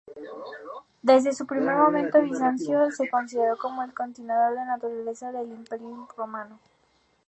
Desde sus primeros momentos, Bizancio se consideró como el continuador natural del Imperio Romano.